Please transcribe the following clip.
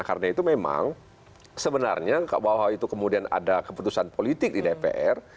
karena itu memang sebenarnya bahwa itu kemudian ada keputusan politik di dpr